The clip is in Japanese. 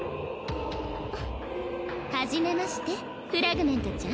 あっはじめましてフラグメントちゃん。